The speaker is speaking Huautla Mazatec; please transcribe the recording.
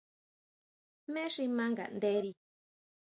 ¿Jmé xi ʼma nganderi?